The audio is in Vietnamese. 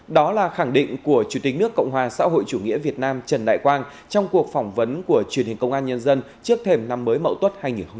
đó là khẳng định của chủ tịch nước cộng hòa xã hội chủ nghĩa việt nam trần đại quang trong cuộc phỏng vấn của truyền hình công an nhân dân trước thềm năm mới mậu tuất hai nghìn hai mươi ba